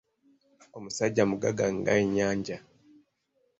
Omusajja mugagga nga Ennyanja.